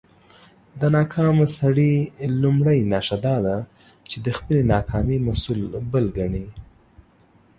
د ناکامه سړى لومړۍ نښه دا ده، چې د خپلى ناکامۍ مسول بل کڼې.